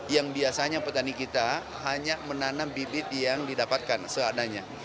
yang biasanya petani kita hanya menanam bibit yang didapatkan seadanya